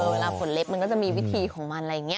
เวลาผลเล็บมันก็จะมีวิธีของมันอะไรอย่างนี้